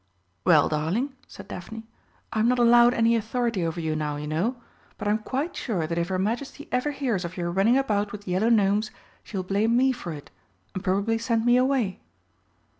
"Well, darling," said Daphne, "I'm not allowed any authority over you now, you know. But I'm quite sure that if her Majesty ever hears of your running about with Yellow Gnomes, she will blame me for it, and probably send me away."